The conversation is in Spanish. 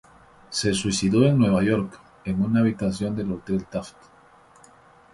Se suicidó en Nueva York, en una habitación del hotel Taft.